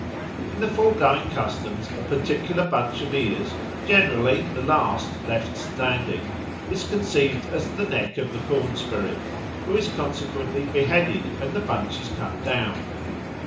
In the foregoing customs a particular bunch of ears, generally the last left standing, is conceived as the neck of the corn spirit, who is consequently beheaded when the bunch is cut down.